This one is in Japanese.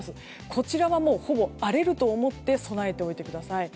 こちらはほぼ荒れると思って備えておいてください。